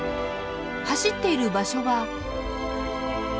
走っている場所は。